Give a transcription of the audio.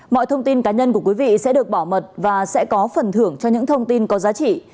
mọi thông tin cá nhân của quý vị sẽ được bảo mật và sẽ có phần thưởng cho những thông tin có giá trị